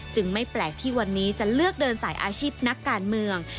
ไม่แปลกที่วันนี้จะเลือกเดินสายอาชีพนักการเมือง